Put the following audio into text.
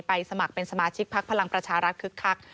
สมัครเป็นสมาชิกพักพลังประชารัฐคึกคัก